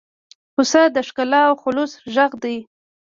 پسه د ښکلا او خلوص غږ دی.